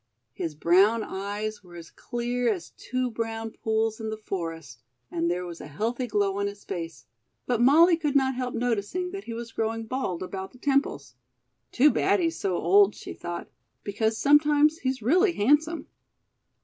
His brown eyes were as clear as two brown pools in the forest and there was a healthy glow on his face; but Molly could not help noticing that he was growing bald about the temples. "Too bad he's so old," she thought, "because sometimes he's really handsome."